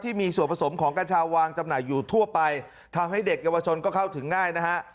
ที่มีส่วนผสมของกัญชาวางจำหน่ายอยู่ทั่วไปทำให้เด็กเยาวชนก็เข้าถึงง่ายนะฮะ